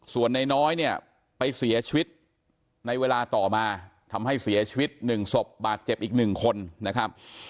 ส่วนนายน้อยเนี่ยไปเสียชีวิตในเวลาต่อมาทำให้เสียชีวิต๑ศพบาดเจ็บอีก๑คนนะครับ